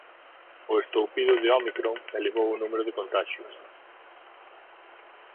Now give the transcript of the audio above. O estoupido de ómicron elevou o número de contaxios.